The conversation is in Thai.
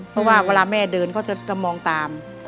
เพราะว่าเวลาแม่เดินเขาจะมองตาม